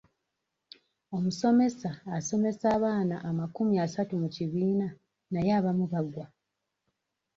Omusomesa asomesa abaana amakumi asatu mu kibiina naye abamu bagwa.